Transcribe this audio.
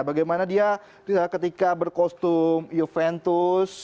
bagaimana dia ketika berkostum juventus